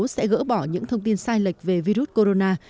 sẽ gỡ bỏ những thông tin sai lệch về virus corona